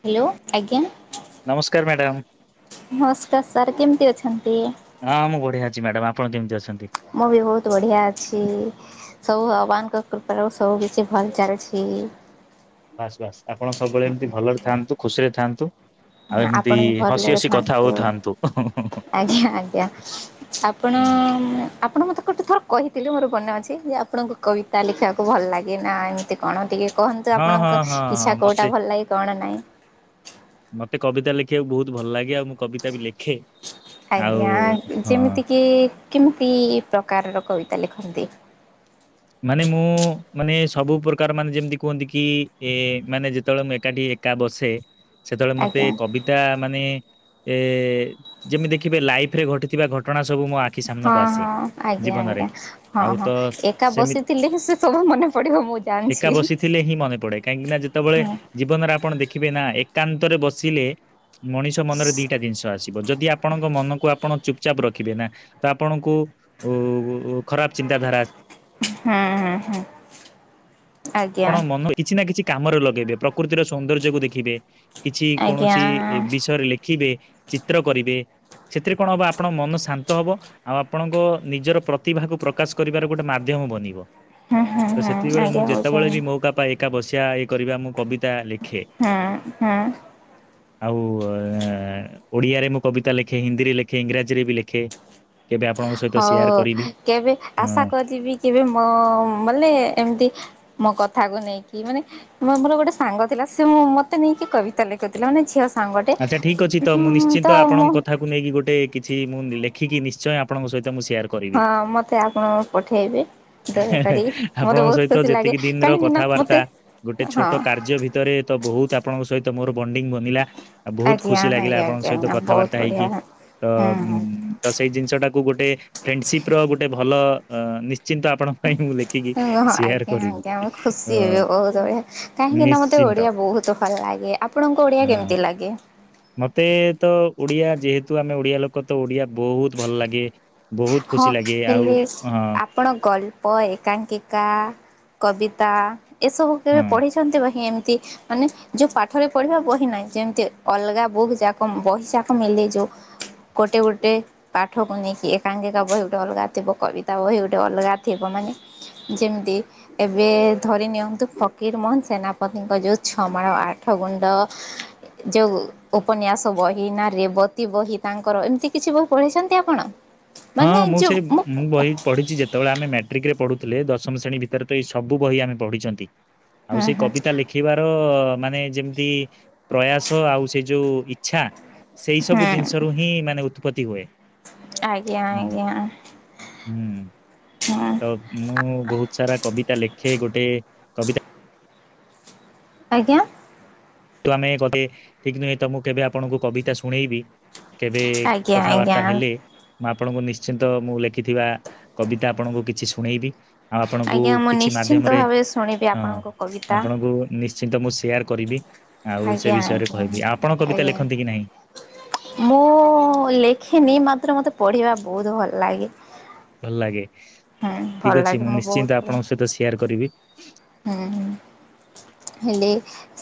Hello ଆଜ୍ଞା ନମସ୍କାର sir କେମିତି ଅଛନ୍ତି? ହଁ ମୁଁ ବଢିଆ ଅଛି ମ୍ୟାଡାମ। ଆପଣ କେମିତି ଅଛନ୍ତି? ମୁଁ ବି ବହୁତ ବଢ଼ିଆ ଅଛି। ସବୁ ବାବାଙ୍କ କୃପାରୁ ସବୁ କିଛି ଭଲ ଚାଲିଛି। ବାସ୍ ବାସ୍ ଆପଣ ସବୁବେଳେ ଏମିତି ଭଲରେ ଥାଆନ୍ତୁ ଖୁସି ରେ ଥାଆନ୍ତୁ। ଆଉ ଆପଣ ଏମିତି ବି ହସି ଭଲରେ ହସି କଥା ଥାଆନ୍ତୁ ହଉଥାନ୍ତୁ। ଆଜ୍ଞା ଆଜ୍ଞା। ଆପଣ। ଅପ୍ ଆପଣ ମୋତେ ଗୋଟେ ଥର କହିଥିଲେ ମୋର ମନେ ଅଛି। ଯେ ଆପଣଙ୍କୁ କବିତା ଲେଖିବାକୁ ଭଲ ଲାଗେ ନା ଏମିତି କଣ ଟିକିଏ। କହନ୍ତୁ ହଁ ଆପଣଙ୍କ ହଁ ହଁ ଇଚ୍ଛା ହଁ କୋଉଟା ମତେ ଭଲ ଲାଗେ କଣ ନାଇଁ। ମତେ କବିତା ଲେଖିବାକୁ ବହୁତ ଭଲ ଲାଗେ। ଆଉ ମୁଁ କବିତା ବି ଲେଖେ। ଆଉ ଆଜ୍ଞା ହଁ ଯେମିତିକି କେମିତି ପ୍ରକାରର କବିତା ଲେଖନ୍ତି? ମାନେ ମୁଁ ମାନେ ସବୁ ପ୍ରକାର ମାନେ ଯେମିତି କୁହନ୍ତି କି ଏ ମାନେ ଯେତେବେଳେ ମୁଁ ଏକାଠି। କା ବସେ। ସେତେବେଳେ ମତେ ଆଜ୍ଞା। କବିତା ମାନେ ଏ ଯେମିତି ଦେଖିବେ ଲାଇଫ ରେ ଘଟିଥିବା ଘ ଘଟଣା ସବୁ ମୋ ଆଖି ସାମ୍ନାକୁ ହଁ ଆସେ ହଁ ଆଜ୍ଞା ଜୀବନରେ ଆଜ୍ଞା। ହଁ ଆଉ ହଁ ତ। ଏକା ସେମି ବସିଥିଲେ ହିଁ ସେ ସବୁ ମନେ ପଡିବ ମୁଁ ଜାଣିଛି। ଏକା ବସିଥିଲେ ହିଁ ମନେ ପଡେ କାହିଁକି ନା ଯେତେବେଳେ। ହୁଁ ଜୀବନରେ ଆପଣ ଦେଖିବେ ନା ଏକାନ୍ତରେ ବସିଲେ ମଣିଷ ମନରେ ଦିଟା ଜିନିଷ ଆସିବ। ଯଦି ଆପଣଙ୍କ ମନକୁ ଆପଣ ଚୁପଚାପ ରଖିବେ ନା ତ ଆପଣଙ୍କୁ ଉ। ଖରାପ ଚିନ୍ତାଧାରା। ହୁଁ ହୁଁ ହୁଁ। ଆଜ୍ଞା ଆପଣ ମନ କିଛି ନା କିଛି କାମରେ ଲଗେଇବେ ପ୍ରକୃତିର ସୌନ୍ଦର୍ଯ୍ୟକୁ ଦେଖିବେ। କିଛି ଆଜ୍ଞା। କୌଣସି ବିଷୟରେ ଲେଖିବେ ଚିତ୍ର କରିବେ। ସେଥିରେ କଣ ହବ ଆପଣଙ୍କ ମନ ଶାନ୍ତ ହବ। ଆଉ ଆପଣଙ୍କ ନିଜର ପ୍ରତିଭାକୁ ପ୍ରକାଶ କରିବାର ଗୋଟେ ମାଧ୍ୟମ ବନିବ। ହଁ ହଁ ହଁ ଆଜ୍ଞା ଆଉ। ସବୁବେଳେ ବି ମୋକା ପାଏ ଏକା ବସିଆ ଇଏ କରିବା ମୁଁ କବିତା ଲେଖେ। ହଁ ହଁ। ଆଉ ଏ। ଓଡ଼ିଆରେ ମୁଁ କବିତା ଲେଖେ ହିନ୍ଦୀରେ ଲେଖେ ଇଂରାଜୀରେ ବି ଲେଖେ। କେବେ ଆପଣଙ୍କ ସହିତ ସେୟାର ହଉ କରିବି କେବେ ଆଶା ହଁ କରିବି କେବେ ମ ବଲେ ଏମିତି। ମୋ କଥାକୁ ନେଇକି ମାନେ ମ ମୋର ଗୋଟେ ସାଙ୍ଗ ଥିଲା ସେ ମତେ ନେଇକି କବିତା ଲେଖୁଥିଲା ମାନେ ଝିଅ ସାଙ୍ଗଟେ ଆଚ୍ଛା ଠିକ୍ ଅଛି ତ ମୁଁ ହୁଁ ନିଶ୍ଚିନ୍ତ ତ ଆପଣଙ୍କ ମୁଁ କଥାକୁ ନେଇକି ଗୋଟେ କିଛି ମୁଁ ଲେଖିକି ନିଶ୍ଚୟ ଆପଣଙ୍କ ସହିତ ମୁଁ ସେୟାର କରିବି। ହଁ ମତେ ଆପଣ ପଠେଇବେ ଦୟାକରି ମତେ ଆପଣଙ୍କ ବହୁତ ସହିତ ଖୁସି ଲାଗେ ଯେତିକି ଦିନର କାହିଁକି ନା କଥା ମତେ ବାର୍ତ୍ତା। ଗୋଟେ ହଁ ଛୋଟ କାର୍ଯ୍ୟ ଭିତରେ ତ ବହୁତ ଆପଣଙ୍କ ସହିତ ମୋର ବଣ୍ଡିଙ୍ଗ ବନିଲା। ଆଉ ବହୁତ ଆଜ୍ଞା ଖୁସି ଲାଗିଲା ଆଜ୍ଞା ଆପଣଙ୍କ ଆଜ୍ଞା ସହିତ ଆଜ୍ଞା ବହୁତ କଥାବାର୍ତ୍ତା ବଢିଆ ହେଇକି ତ ହୁଁ ଉ ତ ସେଇ ଜିନିଷ ଟାକୁ ଗୋଟେ ଫ୍ରେଣ୍ଡସିପ ର ଗୋଟେ ଭଲ ନିଶ୍ଚିନ୍ତ। ଆପଣଙ୍କ ପାଇଁ ମୁଁ ଲେଖିକି ଓ ସେୟାର ଆଜ୍ଞା କରିବି। ଆଜ୍ଞା ମୁ ଅ ଖୁସି ହେବି ବହୁତ କାହିଁକି ନା ମତେ ନିଶ୍ଚିନ୍ତ ଓଡିଆ ବହୁତ ଭଲ ଲାଗେ ଆପଣଙ୍କ ଓଡ଼ିଆ ହଁ କେମିତି ଲାଗେ? ମତେ ତ ଓଡିଆ ଯେହେତୁ ଆମେ ଓଡିଆ ଲୋକ ତ ଓଡିଆ ବହୁତ ଭଲ ଲାଗେ। ବହୁତ ହଁ ଖୁସି ଲାଗେ ଆଉ ହେଲେ ହଁ। ଆପଣ ଗଳ୍ପ, ଏକାଙ୍କିକା, କବିତା ଏସବୁ କେବେ ହଁ। ପଢିଛନ୍ତି ବହି ଏମିତି ମାନେ ଯେଉଁ ପାଠରେ ପଢ଼ିବା ବହି ନାହିଁ ଯେମିତି ଅଲଗା ବୁକ୍ ଯାକ ବହି ଯାକ ମେଲେଇଛୁ। ଗୋଟେ ଗୋଟେ ପାଠକୁ ନେଇକି କାଙ୍ଗିକା ବହି ଗୋଟେ ଅଲଗା ଥିବ କବିତା ବହି ଗୋଟେ ଅଲଗା ଥିବ ମାନେ ଯେମିତି ଏବେ ଧରି ନିଅନ୍ତୁ ଫକୀର ମୋହନ ସେନାପତିଙ୍କ ଯୋଉ ଛମାଣ ଆଠ ଗୁଣ୍ଡ। ହ [inaudible] ଯୋଉ ଉପନ୍ୟାସ ବହି ନା ରେବତୀ ବହି ତାଙ୍କର ଏମିତି କିଛି ବହି ପଢ଼ିଚନ୍ତି ଆପଣ? ହଁ ମାନେ ମୁଁ ଯୋଉ ସେଇ ଉଁ ମୁଁ ବହି ହୁଁ ପଢିଛି ଯେତବଳେ ଆମେ ମାଟ୍ରିକ ରେ ପଢ଼ୁଥିଲେ ଦଶମ ଶ୍ରେଣୀ ଭିତରେ ତ ଏଇ ସବୁ ବହି ଆମେ ପଢିଚନ୍ତି। ଆଉ ସେଇ ହୁଁ କବିତା ଲେଖି ଶଖିବାର ମାନେ ଯେମିତି ପ୍ରୟାସ ଆଉ ସେ ଯୋଉ ଇଛା। ସେଇ ହୁଁ ସବୁ ଜିନିଷ ରୁ ହିଁ ମାନେ ଉତ୍ପତ୍ତି ହୁଏ। ଆଜ୍ଞା ହୁଁ ଆଜ୍ଞା ହୁଁ ହୁଁ ତ ମୁଁ ବହୁତ ସାରା କବିତା ଲେଖେ ଗୋଟେ କବିତା ଆଜ୍ଞା। ତୁ ଆମେ କେବେ ଟିକ୍ ନିକ୍ ତ ମୁଁ କେବେ ଆପଣଙ୍କୁ କବିତା ଶୁଣେଇବି। କେବେ ଆଜ୍ଞା ଆଜ୍ଞା କଥାବାର୍ତ୍ତା ହେଲେ ମୁଁ ଆପଣଙ୍କୁ ନିଶ୍ଚିନ୍ତ ମୁଁ ଲେଖିଥିବା କବିତା ଆପଣଙ୍କୁ କିଛି ଶୁଣେଇବି। ଆଉ ଆପଣଙ୍କୁ ଆଜ୍ଞା ମୁଁ କିଛି ନିଶ୍ଚିନ୍ତ ମାଧ୍ୟମରେ ଭାବେ ଶୁଣିବି ହଁ ଆପଣଙ୍କ କବିତା ଆପଣଙ୍କୁ ନିଶ୍ଚିନ୍ତ ମୁଁ ସେୟାର କରିବି। ଆଉ ସେ ଆଜ୍ଞା ବିଷୟରେ ଆଜ୍ଞା କହିବି ଆପଣ କବିତା ଲେଖନ୍ତି କି ନାହିଁ? ଆଜ୍ଞା। ମୁଁ ଲେଖିନି ମାତ୍ର ମତେ ପଢିବା ବହୁତ ଭଲ ଲାଗେ। ଭଲ ଲାଗେ। ହୁଁ ଭଲ ଠିକ ଅଛି ଲାଗେ ମୁଁ ବହୁତ ନିଶ୍ଚିନ୍ତ ପଢ଼େ ଆପଣଙ୍କ ସହିତ ସେୟାର କରିବି। ହୁଁ। ହେଲେ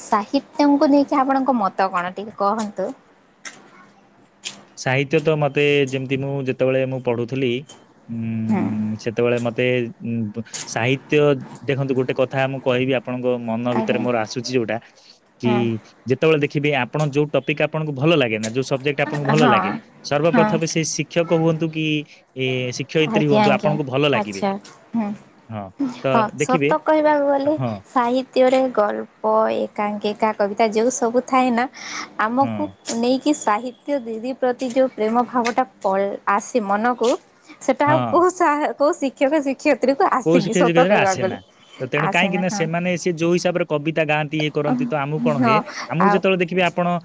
ସାହିତ୍ୟଙ୍କୁ ନେଇକି ଆପଣଙ୍କ ମତ କଣ ଟିକେ କହନ୍ତୁ? ସାହିତ୍ୟ ତ ମତେ ଯେମିତି ମୁଁ ଯେତବଳେ ମୁଁ ପଢୁଥିଲି ଉଁ ହଁ। ସେତବଳେ ମତେ ଉ ସାହିତ୍ୟ ଦେଖନ୍ତୁ ଗୋଟେ କଥା ମୁଁ କହିବି ଆପ ଆପଣଙ୍କ ମନ ଭିତରେ ଆଜ୍ଞା ମୋର ଆସୁଚି ଯୋଉଟା କି ହଁ ଯେତବଳେ ଦେଖିବେ ଆପଣ ଯୋଉ ଟପିକ୍ ଆପଣଙ୍କୁ ଭଲ ଲାଗେ ନା ଯୋଉ ସବଜେକ୍ଟ ଆପଣଙ୍କୁ ଭଲ ହଁ ଲାଗେ, ହଁ। ସର୍ବପ୍ରଥମେ ସେ ଶିକ୍ଷକ ହୁଅନ୍ତୁ କି ଏ ଶିକ୍ଷୟିତ୍ରୀ ଆଜ୍ଞା ହୁଅନ୍ତୁ ଆଜ୍ଞ, ଆପଣଙ୍କୁ ଭଲ ଲାଗିବେ ଆଛା, ହୁଁ। ହଁ ତ ହଁ ଦେଖିବେ ସତ ଏ କହିବାକୁ ଗଲେ ହଁ, ସାହି ସାହିତ୍ୟରେ ଗଳ୍ପ, ଏକାଙ୍କିକା, କବିତା ଯୋଉ ସବୁ ଥାଏ ନା ଆମକୁ ହଁ, ନେଇକି କି ସାହିତ୍ୟ ଦିଦି ପ୍ରତି ଯୋଉ ପ୍ରେମ ଭାବ ଟା ଆସେ ମନକୁ ସେଟା ଆଉ ହଁ କୋଉ ସାର୍ କୋଉ ଶିକ୍ଷକ ଶି କୋଉ ଶିକ୍ଷରେ ଆସେ ନା ତେଣୁ କାହିଁକି ଆସେନା ନା ହଁ ସେମାନେ ସେ ଯୋଉ ହିସାବରେ କବିତା ଗାଆନ୍ତି ଇଏ କରନ୍ତି ତ ଆମୁକୁ କଣ ହଁ ହୁଏ ଆମୁକୁ ଆଉ ଯେତବଳେ ଦେଖିବେ ଆପଣ ଉ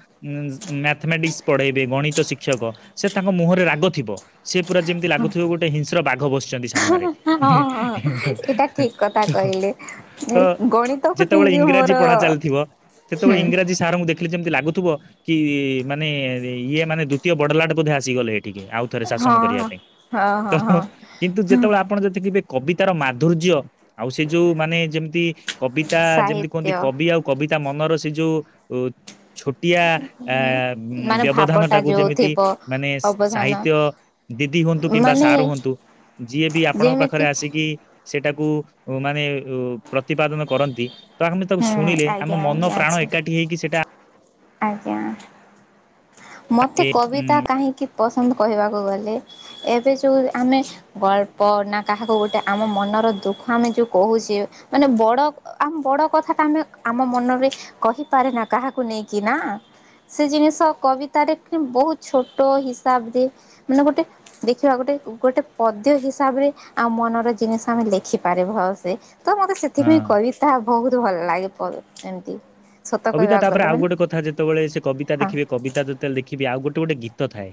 ମ୍ୟାଥମେଟିକ୍ସ ପଢେଇବେ ଗଣିତ ଶିକ୍ଷକ, ସେ ତାଙ୍କ ମୁହଁରେ ରାଗ ଥିବ। ସେ ପୁରା ଯେମିତି ଲାଗୁଥିବେ ଗୋଟେ ହିଂସ୍ର ବାଘ ବସିଚନ୍ତି ସାମ୍ନାରେ। ହଁ ହଁ ଏଇଟା ଠିକ କଥା ତ କହିଲେ ତ ଗଣିତକୁ ଯେତବଳେ ନେଇକି ମୋର ଇଂରାଜୀ ପଢା ଚାଲିଥିବ ସେତବଳେ ହୁଁ ଇଂରାଜୀ ସାରଙ୍କୁ ଦେଖିଲେ ଯେମିତି ଲାଗୁଥିବ କି ମାନେ ଇଏ ମାନେ ଦ୍ଵିତୀୟ ବଡଲାଟ ବୋଧେ ଆସିଗଲେ ଏଠିକି ଆଉ ଥରେ ହଁ ଶାସନ କରିବା ପାଇଁ। ହଁ ହଁ ହଁ ତ ହଁ କିନ୍ତୁ ଯେତବଳେ ଆପଣ ଯଦି କେବେ କବିତାର ମାଧୁର୍ଯ୍ୟ ଆଉ ସେ ଯୋଉ ମାନେ ଯେମିତି କବିତା ଯେମିତି କୁହନ୍ତି ସାହିତ୍ୟ କବି ଆଉ କବିତା ମନର ସେ ଯୋଉ ଉ ଛୋଟିଆ ଆ ମାନେ ବ୍ୟବଧାନ ଭାବଟା ଟାକୁ ଯୋଉ ଯେମିତି ଥିବ ମାନେ ଅବଧାନ ସାହିତ୍ୟ ଦିଦି ହୁଅନ୍ତୁ କିମ୍ବା ମାନେ ସାର୍ ହୁଅନ୍ତୁ ଯିଏବି ଆପଣଙ୍କ ପାଖରେ ଯେମିତି ଆସିକି ସେଟାକୁ ଉ ମାନେ ଉ ପ୍ରତିପାଦନ କରନ୍ତି ତ ଆମେ ତାକୁ ହୁଁ ଶୁଣିଲେ ଆମ ଆଜ୍ଞା ମନ ଆଜ୍ଞା ପ୍ରାଣ ଅଛି ଏକାଠି ହେଇକି ସେ ଆଜ୍ଞା। ମୋତେ ଏ କବିତା ଉଁ କାହିଁକି ପସନ୍ଦ କହିବାକୁ ଗଲେ ଏବେ ଯୋଉ ଆମେ ଗଳ୍ପ ନା କାହାକୁ ଗୋଟେ ଆମ ମନର ଦୁଃଖ ଆମେ ଯୋଉ କହୁଛେ ମାନେ ବଡ଼ ଆମ୍ ବଡ଼ କଥାଟା ଆମେ ଆମ ମନରେ କହିପାରେନା କାହାକୁ ନେଇକି ନାଁ। ସେ ଜିନିଷ କବିତାରେ ବହୁତ ଛୋଟ ହିସାବରେ ମାନେ ଗୋଟେ ଦେଖିବା ଗୋଟେ ଗୋଟେ ପଦ୍ୟ ହିସାବରେ ଆମ୍ ମନର ଜିନିଷ ଆମେ ଲେଖିପାରେ ଭଲସେ। ତ ମତେ ହଁ ସେଥିପାଇଁ କବିତା ବହୁତ ଭଲ ଲାଗେ ପ ଏମତି। କବିତା ତାପରେ ଆଉ ଗୋଟେ କଥା ଯେତେବେଳେ ସେ କବିତା ହଁ ଦେଖିବେ କବିତା ଯେତେବେଳେ ଦେଖିବେ ଆଉ ଗୋଟେ ଗୋଟେ ଗୀତ ଥାଏ।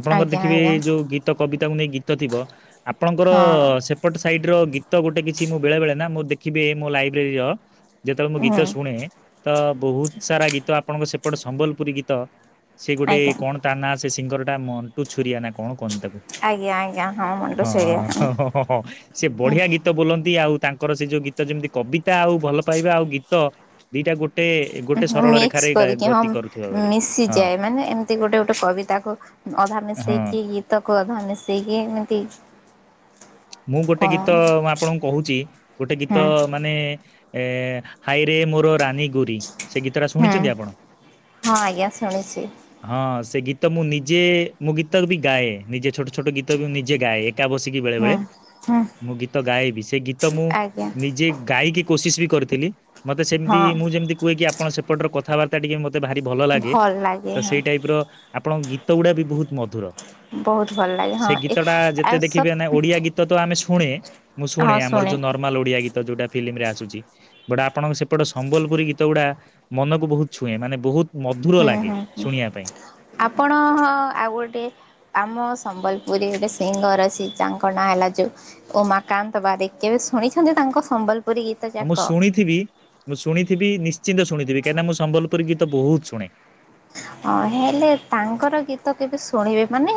ଆପଣଙ୍କର ଆଜ୍ଞା ଦେଖିବେ ଆଜ୍ଞା ଏ ଯୋଉ ଗୀତ କବିତାକୁ ନେଇ ଗୀତ ଥିବ ଆପଣଙ୍କର ହଁ ସେ ଏପଟ ସାଇଡ଼ର ଗୀତ ଗୋଟେ କିଛି ମୁଁ ବେଳେ ବେଳେ ନା ମୁଁ ଦେଖିବି ଏ ମୋ ଲାଇବ୍ରେରୀର ଯେତେବେଳେ ମୁଁ ହୁଁ ଗୀତ ଶୁଣେ ତ ବହୁତ ସାରା ଗୀତ ଆପଣଙ୍କ ସେପଟେ ସମ୍ବଲପୁରୀ ଗୀତ ସେ ଗୋଟେ ଆଜ୍ଞା କଣ ତା ନାଁ ସେ ସିଙ୍ଗରଟା ମଣ୍ଟୁ ଛୁରିଆ ନା କଣ କହନ୍ତି ତାକୁ? ଆଜ୍ଞା ଆଜ୍ଞା ହଁ ମୁଣ୍ଟୁ ଛୁରିଆ ହଁ। ଅହ ସେ ବଢିଆ ଗୀତ ବୋଲନ୍ତି ଆଉ ତାଙ୍କର ସେ ଯୋଉ ଗୀତ ଯେମିତି କବିତା ଆଉ ଭଲ ପାଇବା ଆଉ ଗୀତ। ଦିଇଟା ଗୋ ମିକ୍ସ କରିକି ହଁମ୍। କରୁଥିବା ଭଳି ହଁ ମିଶିଯାଏ ମାନେ ଏମିତି ଗୋଟେ ଗୋଟେ କବିତାକୁ ଅଧା ହଁ ମିଶେଇକି ଗୀ ତକୁ ଅଧା ମିଶେଇକି ଏମିତି ମୁଁ ଗୋଟେ କଣ ଗୀତ ହୁଁ ଆପଣଙ୍କୁ କହୁଛି ଗୋଟେ ଗୀତ ହୁଁ ମାନେ ଏ ହାଇରେ ମୋର ରାନୀ ଗୁ ରି, ସେ ଗୀତଟା ଶୁଣିଛନ୍ତି ଆପଣ? ହଁ ଆଜ୍ଞା ଶୁଣିଛି ହଁ ସେ ଗୀତ ମୁଁ ନିଜେ ମୁଁ ଗୀତ ବି ଗାଏ ନିଜେ ଛୋଟ ଛୋଟ ଗୀତ ବି ମୁଁ ନିଜେ ଗାଏ, ଏକା ବସି ହୁଁ, ହୁଁ। ମୁଁ ଗୀତ ଗାଏବି, ସେ ଗୀତ ମୁଁ ଆଜ୍ଞା ନିଜେ ଗାଇକି କୋସିିସ ବି କରିଥିଲି। ମତେ ସେମତି ମୁ ହଁ ଯେମିତି କୁହେ କି ଆପଣ ସେପଟର କଥାବାର୍ତ୍ତା ଟିକେ ମ ତେ ଭାରି ଭଲ ଲାଗେ ଲାଗେ ତ ହଁ ସେଇ ଟାଇପର ଆପଣଙ୍କ ଗୀତ ଗୁଡ଼ା ବି ବହୁତ ମଧୁର। ବହୁତ ଭଲ ଲାଗେ ସେ ହଁ ଏ ଗୀତଟା ଆଉ ଯେତେ ସବ ଦେଖିବେ ନାଇ ଓଡିଆ ଗୀ ତ ତ ଆମେ ଶୁଣେ, ମୁଁ ଶୁଣେ ଆମର ଯୋଉ ନର୍ମାଲ ଓଡିଆ ଗୀତ ଯୋଉଟା ଫିଲ୍ମରେ ଆସୁଚି। ବଟ୍ ଆପଣଙ୍କ ସେପଟ ସମ୍ବଲପୁରୀ ଗୀତ ଗୁଡା ମନକୁ ବହୁତ ଛୁଏଁ, ମାନେ ବହୁତ ମଧୁର ହୁଁ ଲାଗେ ହୁଁ ଶୁଣିବା ପାଇଁ। ଆପଣ ହଁ ଆଉ ଗୋଟେ ଆମ ସମ୍ବଲପୁରୀ ହେଲେ ସିଂହ ରାଶି, ତାଙ୍କ ନାଁ ହେଲା ଯୋଉ ଉମାକାନ୍ତ ବାରିକ୍ କେବେ ଶୁଣିଛନ୍ତି ତାଙ୍କ ସମ୍ବଲ ଆ ମୁଁ ଶୁଣିଥିବି, ମୁଁ ଶୁଣିଥିବି ନିଶ୍ଚିନ୍ତ ଶୁଣିଥିବି କାହିଁନା ମୁଁ ସମ୍ବଲପୁରୀ ଗୀତ ବହୁତ ଶୁଣେ। ଅଁହେଲେ ତାଙ୍କର ଗୀତ କେବେ ଶୁଣିବେ ମାନେ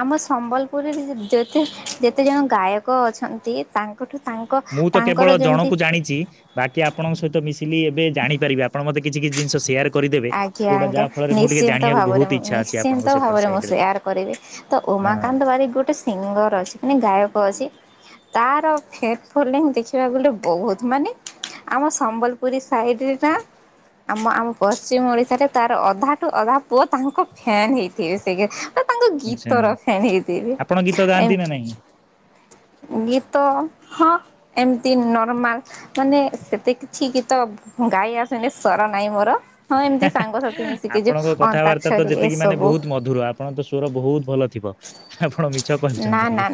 ଆମ ସମ୍ବଲପୁରରେ ଯେତେ ଯେତେ ଜଣ ଗାୟକ ଅଛନ୍ତି ତାଙ୍କ ତାଙ୍କଠୁ ତାଙ୍କ ମୁଁ ତ ତାଙ୍କର କେବଳ ଯେମିତି ଜଣକୁ ଜାଣିଚି। ବାକି ଆପଣଙ୍କ ସହିତ ମିଶିଲି ଏବେ ଜାଣିପାରିବି, ଆପଣ ମତେ କିଛି କିଛି ଜିନିଷ ସେୟାର କରିଦେବେ ଆଜ୍ଞା ଯୋଉଟା ଆଜ୍ଞା, ଯାହା ଫଳରେ ମୁଁ ଟିକେ ନିଶ୍ଚିନ୍ତ ଜାଣିବାକୁ ଭାବରେ ବହୁତ ମୁଁ ଇଚ୍ଛା ଅଛି ଆପଣଙ୍କ ନିଶ୍ଚିନ୍ତ ସେପଟ ଭାବରେ ମୁଁ ସାଇଡରେ ସେୟାର କରିବି ତ ହଁ ଉମାକାନ୍ତ ବାରିକ୍ ଗୋଟେ ସିଙ୍ଗର ଅଛି ମାନେ ଗାୟକ ଅଛି। ତାର ଫେକ ଫୋଲିଙ୍ଗ ଦେଖିବାକୁ ଗଲେ ବହୁତ। ମାନେ ଆମ ସମ୍ବଲପୁରୀ ସାଇଡରେ ନା ଆମ ଆମ। ପଶ୍ଚିମ ଓଡିଶାରେ ତାର ଅଧାଠୁ ଅଧା ପୁଅ ତାଙ୍କ ଫ୍ୟାନ ହେଇଥିବେ ସେ। ତ ତାଙ୍କ ଆଚ୍ଛା ଗୀତ ର ଫ୍ୟାନ ହେଇଥିବି ଆପଣ ଗୀତ ଗାଆନ୍ତି ନା ନାହିଁ? ଏମ। ଗୀତ ହଁ, ଏମତି ନର୍ମାଲ। ମାନେ ସେତେ କିଛି ଗିତ ଗାଈ ଆସେନି ସ୍ୱର ନାହିଁ ମୋର। ହଁ ଏମିତି ହା ସାଙ୍ଗସାଥି ହା ମିଶିକି ଯୋଉ ଆପଣଙ୍କ କଥାବାର୍ତ୍ତା ତ ଅନ୍ତାକ୍ଷରୀ ଯେତିକି ମାନେ ଏସବୁ ବହୁତ ମଧୁର ଆପଣଙ୍କ ତ ସ୍ୱର ବହୁତ ଭଲ ଥିବ। ଆପଣ ମିଛ କହୁଛନ୍ତି କି?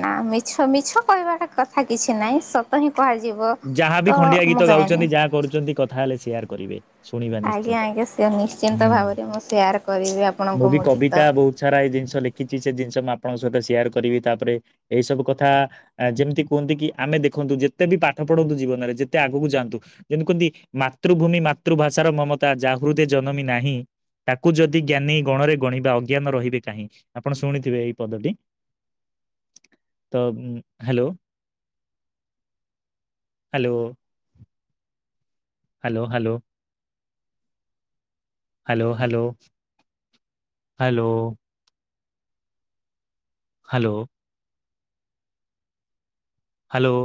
ତ ମିଛ କହିବାର କଥା କିଛି ନାହିଁ। ସତ୍ ତ ହିଁ କୁହାଯିବ। ଯାହାବି ତ ଖଣ୍ଡିଆ ମୁଁ ଗୀତ ଗାଏନି। ଗାଉଛନ୍ତି, ଯାହା କରୁଛନ୍ତି, କଥା ହେଲେ ସେୟାର କରିବେ। ଶୁଣିବା ନିଶ୍ଚିନ୍ତ ଆଜ୍ଞା ଆଜ୍ଞା ସିଅର ନିଶ୍ଚିନ୍ତ ହୁଁ। ଭାବରେ ମୁଁ ସେୟାର କରିବି ଆପଣଙ୍କୁ ମୋ ଗୀତ। ଛାଡା ଏଇ ଜିନିଷ ଲେଖିଛି ସେ ଜିନିଷ ମୁଁ ଆପଣଙ୍କ ସହିତ ସିୟାର କରିବି ତାପରେ ଏଇ ସବୁ କଥା ଆ ଯେମିତି କୁହନ୍ତି କି ଆମେ ଦେଖନ୍ତୁ ଯେତେ ବି ପାଠ ପଢନ୍ତୁ ଜୀବନରେ ଯେତେ ଆଗକୁ ଯାଆନ୍ତୁ। ଯେନୁ ଖୁନ୍ଦି ମାତୃଭୂମି ମାତୃଭାଷାର ମମତା ଯାହା ହୃଦେ ଜନମୀ ନାହିଁ! ତାକୁ ଯଦି ଜ୍ଞାନୀ ଗଣରେ ଗଣିବା ଅଜ୍ଞାନ ରହିବେ କାହିଁକି? ଆପଣ ଶୁଣିଥିବେ ଏଇ ପଦଟି। [inaudible] ତ hello. Hello hello hello. Hello, hello hello hello. Hello.